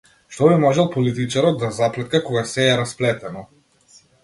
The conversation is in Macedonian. Што би можел политичарот да заплетка кога сѐ е расплетено?